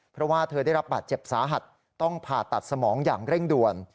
เพราะว่าเธอได้รับบาดเจ็บสาหัสต้องผ่าตัดสมองอย่างเร่งด่วน